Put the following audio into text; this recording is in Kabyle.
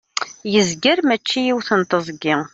yezger mačči yiwet teẓgi